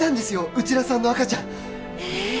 内田さんの赤ちゃんええっ！